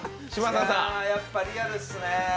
やっぱリアルっすね。